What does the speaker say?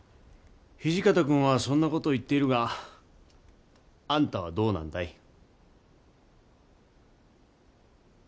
土方君はそんな事を言っているがあんたはどうなんだい？